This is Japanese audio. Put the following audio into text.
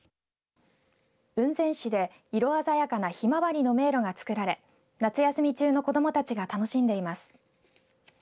雲仙市で色鮮やかなヒマワリの迷路が作られ夏休み中の子どもたちが楽しんでいます。